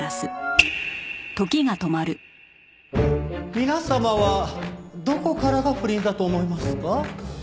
皆様はどこからが不倫だと思いますか？